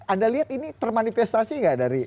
anda lihat ini termanifestasi nggak dari